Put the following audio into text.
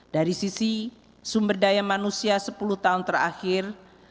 dari sisi sumber daya manusia sepuluh tahun terakhir